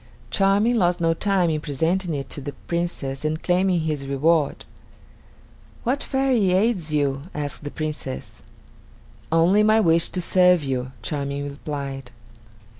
Charming lost no time in presenting it to the Princess and claiming his reward. "What fairy aids you?" asked the Princess. "Only my wish to serve you," Charming replied.